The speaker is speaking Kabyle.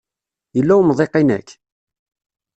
Yella umḍiq i nekk?